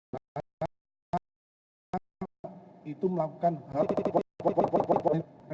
bagaimana cara mereka melakukan hal